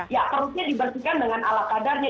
ya perutnya dibersihkan dengan ala kadarnya